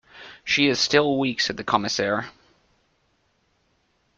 "She is still weak," said the Commissaire.